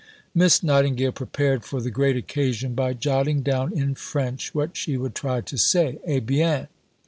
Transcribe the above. Miss Nightingale prepared for the "great occasion" by jotting down in French what she would try to say. "Eh bien!